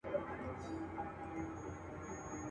اوس حیا پکښي خرڅیږي بازارونه دي چي زیږي.